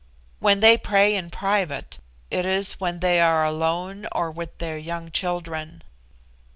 When they pray in private, it is when they are alone or with their young children.